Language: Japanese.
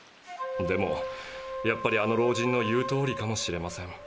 でもやっぱりあの老人の言うとおりかもしれません。